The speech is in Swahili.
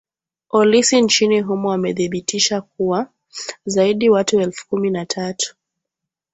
olisi nchini humo wamethibitisha kuwa zaidi watu elfu kumi na tatu